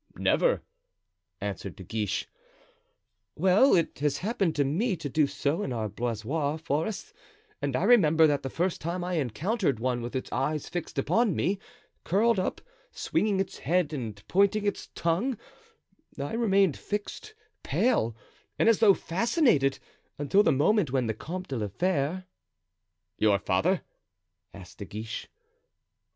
"Never," answered De Guiche. "Well, it has happened to me to do so in our Blaisois forests, and I remember that the first time I encountered one with its eyes fixed upon me, curled up, swinging its head and pointing its tongue, I remained fixed, pale and as though fascinated, until the moment when the Comte de la Fere——" "Your father?" asked De Guiche.